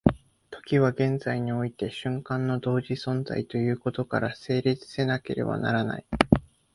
時は現在において瞬間の同時存在ということから成立せなければならない。